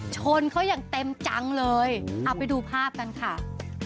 ชนเขาอย่างเต็มจังเลยเอาไปดูภาพกันค่ะ